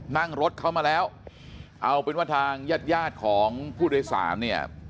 นั่งรถเขามาแล้วเอาเป็นว่าทางญาติยาดของผู้โดยสารเนี่ย